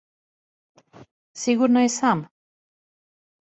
Сигурно је сам?